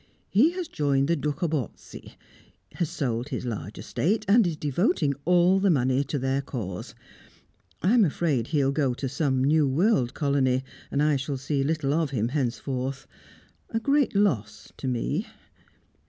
He has joined the Dukhobortsi; has sold his large estate, and is devoting all the money to their cause. I'm afraid he'll go to some new world colony, and I shall see little of him henceforth. A great loss to me."